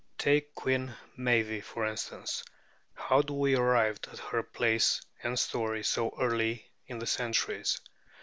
Take Queen Meave, for instance: how do we arrive at her place and story, so early in the centuries?